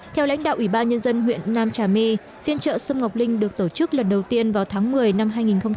theo lãnh đạo ủy ban nhân dân huyện nam trà my phiên chợ sâm ngọc linh được tổ chức lần đầu tiên vào tháng một mươi năm hai nghìn một mươi chín